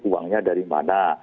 uangnya dari mana